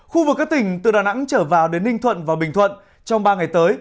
khu vực các tỉnh từ đà nẵng trở vào đến ninh thuận và bình thuận trong ba ngày tới